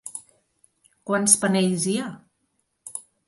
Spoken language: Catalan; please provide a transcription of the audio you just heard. Quants panells hi ha?